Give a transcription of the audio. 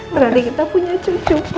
berani kita punya cucu